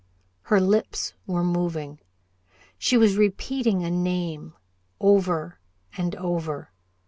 Her lips were moving. She was repeating a name over and over.